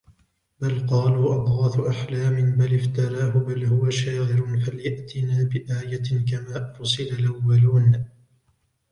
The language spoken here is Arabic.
بل قالوا أضغاث أحلام بل افتراه بل هو شاعر فليأتنا بآية كما أرسل الأولون